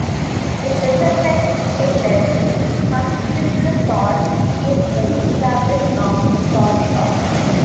In recognising state liability, constitutional tort deviates from established norms in tort law.